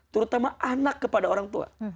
terutama anak kepada orang tua